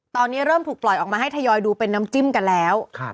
ตอนนี้เริ่มถูกปล่อยออกมาให้ทยอยดูเป็นน้ำจิ้มกันแล้ว